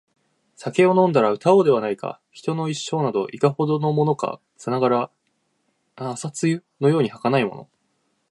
酒を飲んだら歌おうではないか／人の一生など、いかほどのものか／さながら朝露のように儚いもの